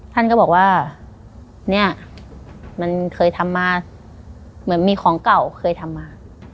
ท่านก็บอกว่าเนี่ยมันเคยทำมาเหมือนมีของเก่าเคยทำมา